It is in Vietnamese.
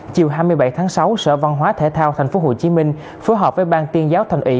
chiều hai mươi bảy tháng sáu sở văn hóa thể thao tp hcm phối hợp với ban tuyên giáo thành ủy